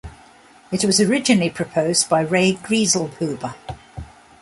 It was originally proposed by Ray Grieselhuber.